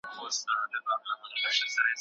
هغه بنسټونه چي سياست کوي مهم دي.